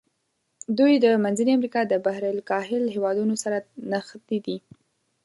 دوی د منځني امریکا د بحر الکاهل هېوادونو سره نښتي دي.